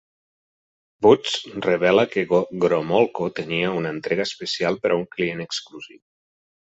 Boots revela que Gromolko tenia una entrega especial per a un client exclusiu.